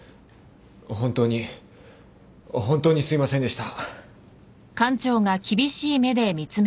本当に本当にすいませんでした。